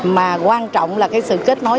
mà quan trọng là cái sự kết nối